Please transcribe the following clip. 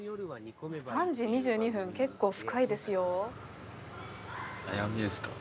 ３時２２分結構深いですよ。